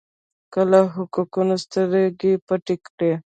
که له حقیقتونو سترګې پټې کړئ.